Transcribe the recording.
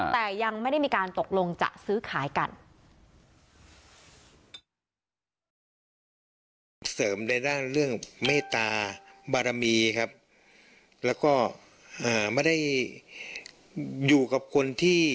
แต่ยังไม่ได้มีการตกลงจะซื้อขายกัน